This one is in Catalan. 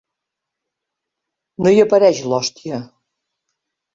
No hi apareix l'hòstia.